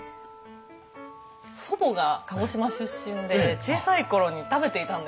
祖母が鹿児島出身で小さい頃に食べていたんですけれども。